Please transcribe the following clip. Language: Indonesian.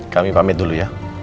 kami pamit dulu ya